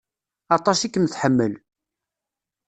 Aṭas i kem-tḥemmel.